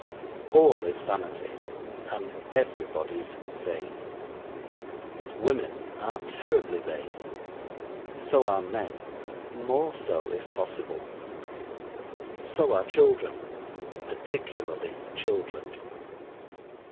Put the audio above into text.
All is vanity and everybody's vain. Women are terribly vain. So are men more so, if possible. So are children, particularly children.